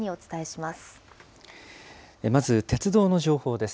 まず鉄道の情報です。